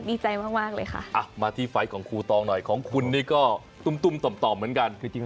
ดีใจมากเลยค่ะต้มต่อเหมือนกันคือจริง